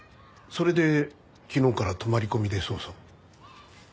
それで昨日から泊まり込みで捜査を。